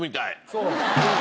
そう。